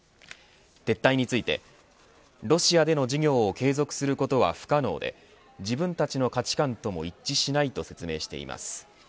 撤退についてロシアでの事業を継続することは不可能で自分たちの価値観とも一致しないと説明しています。